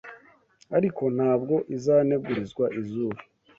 Ariko ntabwo izanegurizwa izuru